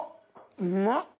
うまっ！